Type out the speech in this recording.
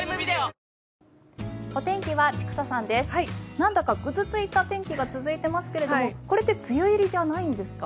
何度かぐずついた天気が続いていますけれどこれって梅雨入りじゃないんですか？